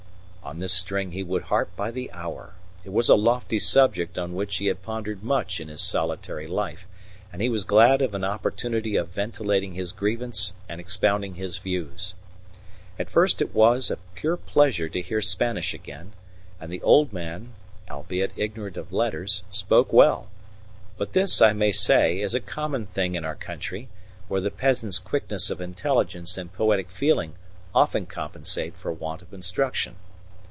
On this string he would harp by the hour; it was a lofty subject on which he had pondered much in his solitary life, and he was glad of an opportunity of ventilating his grievance and expounding his views. At first it was a pure pleasure to hear Spanish again, and the old man, albeit ignorant of letters, spoke well; but this, I may say, is a common thing in our country, where the peasant's quickness of intelligence and poetic feeling often compensate for want of instruction.